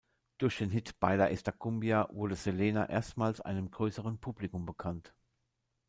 Durch den Hit "Baila esta cumbia" wurde Selena erstmals einem größeren Publikum bekannt.